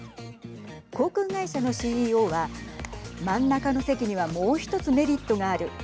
航空会社のＣＥＯは真ん中の席にはもう１つメリットがある。